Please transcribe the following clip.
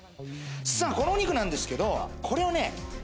この肉なんですけれど、これをね